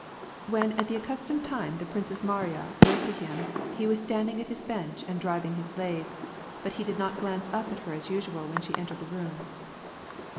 When, at the accustomed time, the Princess Marina went to him, he was standing at his bench and driving his lathe, bnt he did not glance up at her as usual when she entered the room.